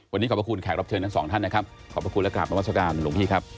วันนี้ขอบพระคุณแขกรับเชิญทั้งสองท่านนะครับขอบพระคุณและกราบนามัศกาลหลวงพี่ครับ